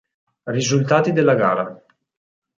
Risultati della gara.